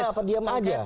ulama apa diam saja